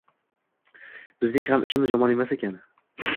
bizning ham ishimiz yomon emas ekan